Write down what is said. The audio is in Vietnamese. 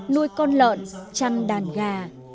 nuôi con lợn chăn đàn gà